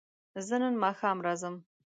زه نن ماښام راځم